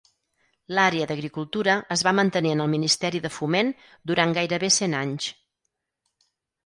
L'àrea d'agricultura es va mantenir en el Ministeri de Foment durant gairebé cent anys.